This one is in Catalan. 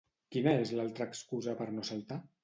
Quina és l'altra excusa per no saltar?